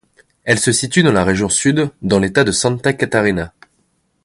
Elle se situe dans la région sud, dans l'État de Santa Catarina.